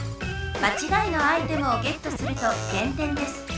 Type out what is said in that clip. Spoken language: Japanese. まちがいのアイテムをゲットすると減点です。